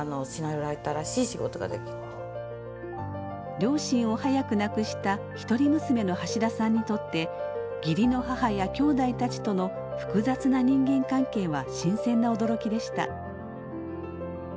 両親を早く亡くした一人娘の橋田さんにとって義理の母やきょうだいたちとの複雑な人間関係は新鮮な驚きでした。